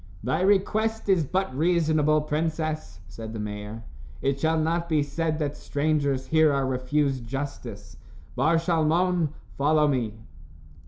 "Thy request is but reasonable, princess," said the mayor. "It shall not be said that strangers here are refused justice. Bar Shalmon, follow me."